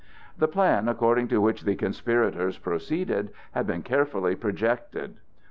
The plan according to which the conspirators proceeded had been carefully projected.